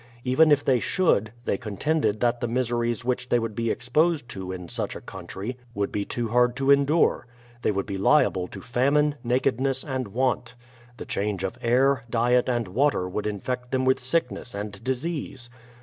Even if they should, they contended that the miseries which they would be exposed to in such a country, would be too hard to endure. They would be liable to famine, nakedness, and want. The change of air, diet, and water would infect them with sick ness and disease.